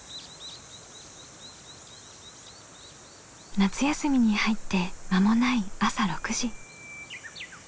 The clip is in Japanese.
夏休みに入って間もない朝６時。